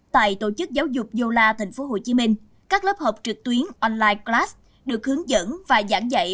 tại tổ chức giáo dục yola tp hcm các lớp học trực tuyến được hướng dẫn và giảng dạy